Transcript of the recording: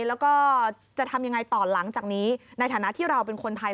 แล้วก็จะทำยังไงต่อหลังจากนี้ในฐานะที่เราเป็นคนไทย